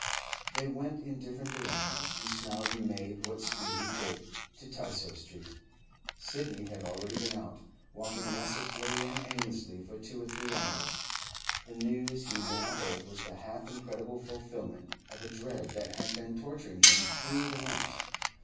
They went in different directions, and Snowdon made what speed he could to Tysoe Street. Sidney had already been out, walking restlessly and aimlessly for two or three hours. The news he now heard was the half incredible fulfilment of a dread that had been torturing him through the night.